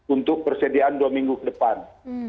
untuk persediaan dua minggu ke depan